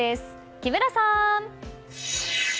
木村さん！